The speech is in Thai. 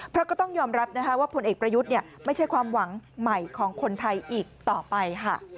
เพราะก็ต้องยอมรับว่าผลเอกประยุทธ์ไม่ใช่ความหวังใหม่ของคนไทยอีกต่อไปค่ะ